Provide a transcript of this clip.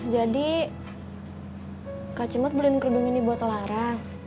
jadi kak cimot beliin kerudung ini buat laras